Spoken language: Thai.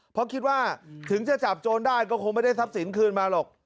เพราะคิดว่าถึงจะจับโจรได้ก็คงไม่ได้ทรัพย์สินคืนมาหรอก